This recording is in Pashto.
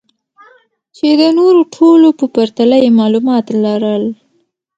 چې د نورو ټولو په پرتله يې معلومات لرل.